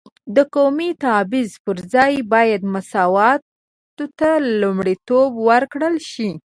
د قومي تبعیض پر ځای باید مساوات ته لومړیتوب ورکړل شي.